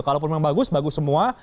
kalaupun memang bagus bagus semua